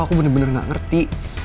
aku benar benar gak ngerti